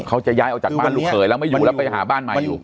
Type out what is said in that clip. เขาจะย้ายออกจากบ้านลูกเขยแล้วไม่อยู่แล้วไปหาบ้านใหม่อยู่